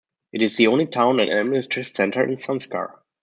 It is the only town and administrative centre in Zanskar.